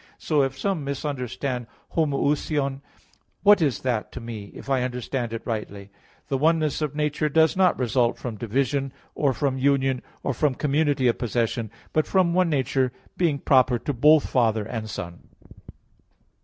So if some misunderstand homoousion, what is that to me, if I understand it rightly? ... The oneness of nature does not result from division, or from union or from community of possession, but from one nature being proper to both Father and Son."